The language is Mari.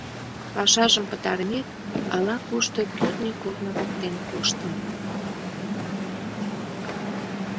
Пашажым пытарымек, ала-кушто кӱртньӧ корно воктен коштын.